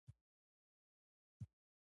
همغږي له بدلون سره تطابق کېدل دي.